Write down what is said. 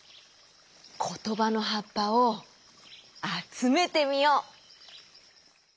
ことばのはっぱをあつめてみよう！